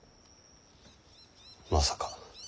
まさか。